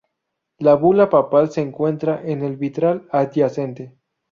La bula papal se encuentra en el vitral adyacente.